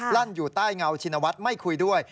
ลั่นอยู่ใต้เงาชินวัฒน์ไม่คุยด้วย